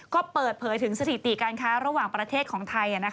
ก็เปิดเผยถึงสถิติการค้าระหว่างประเทศของไทย